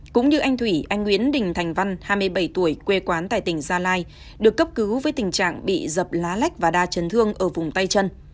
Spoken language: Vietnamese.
cũng như anh thủy anh nguyễn đình thành văn hai mươi bảy tuổi quê quán tại tỉnh gia lai được cấp cứu với tình trạng bị dập lá lách và đa chấn thương ở vùng tay chân